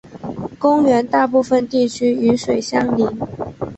公园大部分地区与水相邻。